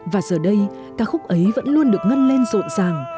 và giờ đây ca khúc ấy vẫn luôn được ngân lên rộn ràng